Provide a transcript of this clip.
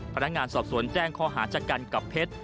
พนักงานสอบสวนแจ้งข้อหาจากกันกับเพชร